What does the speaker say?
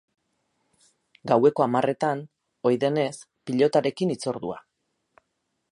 Gaueko hamarretan, ohi denez, pilotarekin hitzordua.